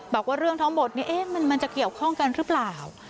บอกว่าเรื่องทั้งหมดนี้มันจะเกี่ยวข้องกันหรือเปล่า